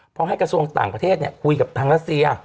พอให้กระทรวงต่างประเทศคุยกับทางรัสเซีย